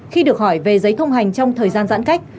khi được hỏi về giấy thông hành trong thời gian giãn cách